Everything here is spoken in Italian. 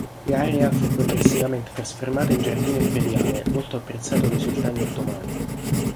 L'area fu progressivamente trasformata in giardino imperiale, molto apprezzato dai sultani ottomani.